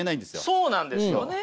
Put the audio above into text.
そうなんですよね。